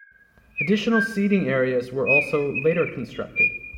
Additional seating areas were also later constructed.